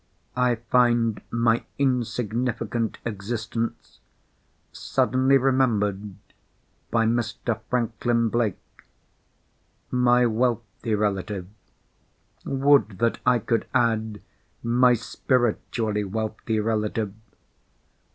I find my insignificant existence suddenly remembered by Mr. Franklin Blake. My wealthy relative—would that I could add my spiritually wealthy relative!